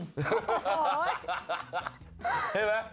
ใช่ไหม